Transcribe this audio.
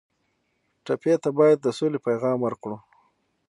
ټپي ته باید د سولې پیغام ورکړو.